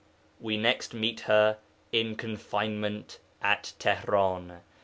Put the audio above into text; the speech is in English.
We next meet with her in confinement at Tihran.